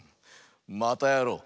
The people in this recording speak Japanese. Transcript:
またやろう！